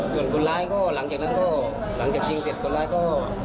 ส่วนคนร้ายก็หลังจากนั้นก็หลังจากชิงเสร็จคนร้ายก็